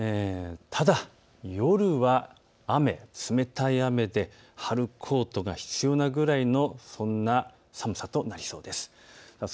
ただ夜は雨、冷たい雨で春コートが必要なくらいのそんな寒さとなりそうです。